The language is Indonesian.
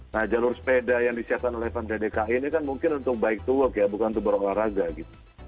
nah jalur sepeda yang disiapkan oleh pemerintah dki ini kan mungkin untuk bike to work ya bukan untuk berolahraga gitu